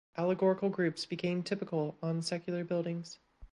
Allegorical groups became typical on secular buildings.